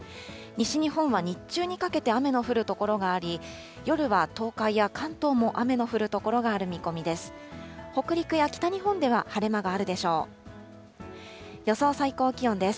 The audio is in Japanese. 西日本は日中にかけて雨の降る所があり、夜は東海や関東も雨の降る所がある見込みです。